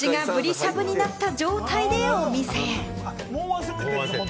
完全に口がブリしゃぶになった状態でお店へ。